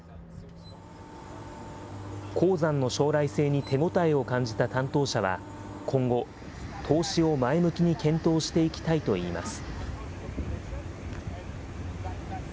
鉱山の将来性に手応えを感じた担当者は、今後、投資を前向きに検討していきたいといいます。